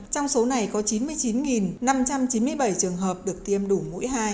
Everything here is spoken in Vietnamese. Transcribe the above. trong số này có chín mươi chín năm trăm chín mươi bảy trường hợp được tiêm đủ mũi hai